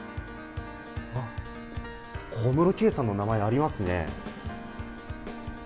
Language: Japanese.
あっ、小室圭さんの名前、ありますね。